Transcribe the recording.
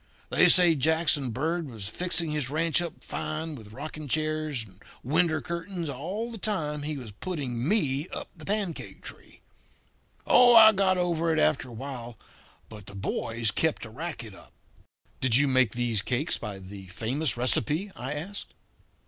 They say Jackson Bird was fixing his ranch up fine with rocking chairs and window curtains all the time he was putting me up the pancake tree. Oh, I got over it after a while. But the boys kept the racket up." "Did you make these cakes by the famous recipe?" I asked.